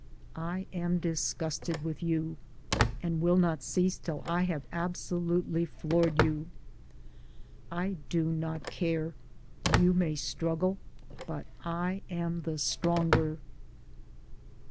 I am disgusted with you, and will not cease till I have absolutely floored you. I do not care ; you may struggle ; but I am the stronger.